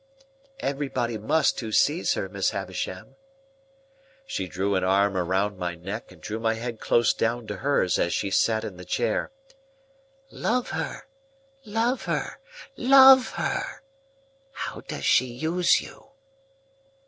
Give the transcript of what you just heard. "Everybody must who sees her, Miss Havisham." She drew an arm round my neck, and drew my head close down to hers as she sat in the chair. "Love her, love her, love her! How does she use you?"